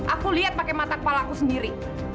aku lihat pakai mata kepala aku sendiri